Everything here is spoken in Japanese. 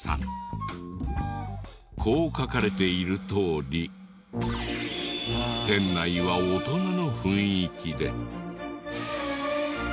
こう書かれているとおり店内は大人の雰囲気で。